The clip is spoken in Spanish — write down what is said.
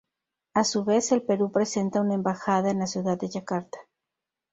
Asu vez, el Perú presenta una embajada en la ciudad de Yakarta.